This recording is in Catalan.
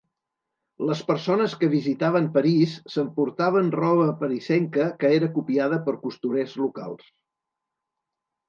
Les persones que visitaven París s'emportaven roba parisenca que era copiada per costurers locals.